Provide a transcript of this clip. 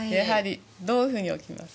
どういうふうに置きます？